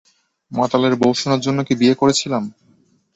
মাতালের বউ শুনার জন্য কি বিয়ে করেছিলাম?